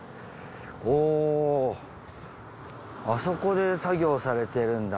おあそこで作業されてるんだ。